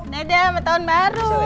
dadah sama tahun baru